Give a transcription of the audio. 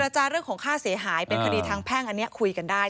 จาเรื่องของค่าเสียหายเป็นคดีทางแพ่งอันนี้คุยกันได้